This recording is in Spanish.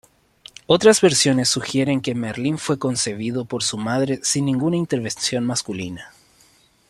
Otras versiones sugieren que Merlín fue concebido por su madre sin ninguna intervención masculina.